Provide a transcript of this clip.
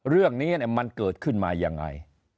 เรื่องนี้มันเกิดขึ้นมายังไง